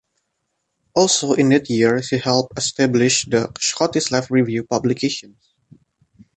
Also in that year she helped establish the "Scottish Left Review" publication.